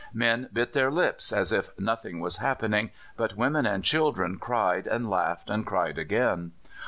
Men bit their lips as if nothing was happening, but women and children cried and laughed and cried again.